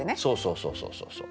そうそうそうそう。